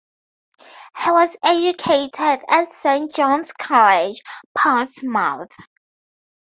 He was educated at Saint John's College, Portsmouth.